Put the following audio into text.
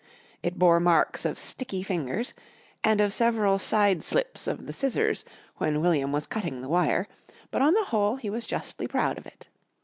It bore marks of sticky fingers, and of several side slips of the scissors when William was cutting the wire, but on the whole he was justly proud of it.